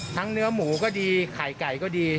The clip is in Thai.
เนื้อหมูก็ดีไข่ไก่ก็ดี